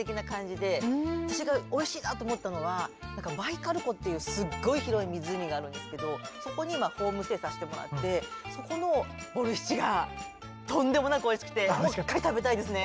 私がおいしいなと思ったのはバイカル湖っていうすっごい広い湖があるんですけどそこにホームステイさせてもらってそこのボルシチがとんでもなくおいしくてもう一回食べたいですね。